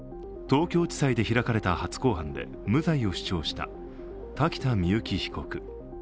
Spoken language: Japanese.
東京地裁で開かれた初公判で無罪を主張した瀧田深雪被告。